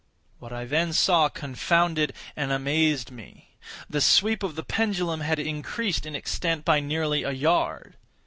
What I then saw confounded and amazed me. The sweep of the pendulum had increased in extent by nearly a yard.